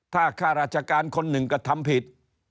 ถ้าข้าราชการคนหนึ่งกระทำผิด